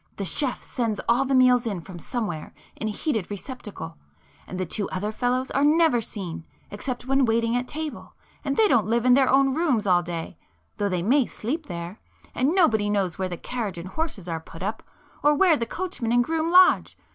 The chef sends all the meals in from somewhere, in a heated receptacle—and the two other fellows are never seen except when waiting at table, and they don't live in their own rooms all day, though they may sleep there,—and nobody knows where the carriage and horses are put up, or where the coachman and groom lodge.